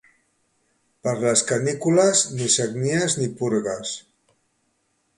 Per les canícules, ni sagnies ni purgues.